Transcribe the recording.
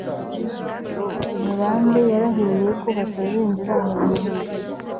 ni bande yarahiriye ko batazinjira mu buruhukiro